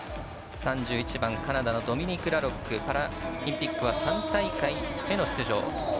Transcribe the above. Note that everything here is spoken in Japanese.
３１番カナダのドミニク・ラロックからパラリンピックは３大会出場。